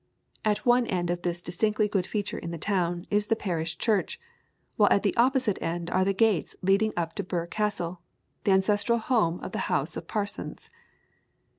At one end of this distinctly good feature in the town is the Parish Church, while at the opposite end are the gates leading into Birr Castle, the ancestral home of the house of Parsons.